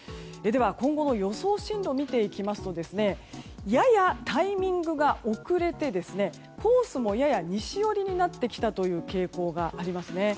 今後の予想進路を見ていきますとややタイミングが遅れてコースもやや西寄りになってきた傾向がありますね。